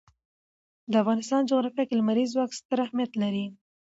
د افغانستان جغرافیه کې لمریز ځواک ستر اهمیت لري.